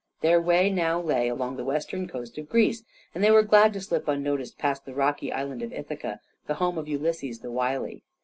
Their way now lay along the western coast of Greece, and they were glad to slip unnoticed past the rocky island of Ithaca, the home of Ulysses the wily.